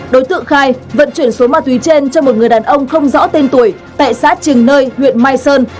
đối tượng khai vận chuyển số ma túy trên cho một người đàn ông không rõ tên tuổi tại xã trình nơi huyện mai sơn